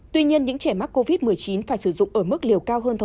tuy nhiên những trẻ mắc covid một mươi chín phải sử dụng ở mỹ